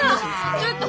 ちょっと。